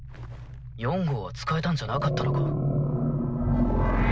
４号は使えたんじゃなかったのか？